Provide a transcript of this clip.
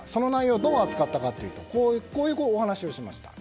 どう扱ったかというとこういうお話をしました。